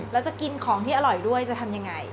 แล้วจะกินของที่อร่อยด้วยจะทำยังไง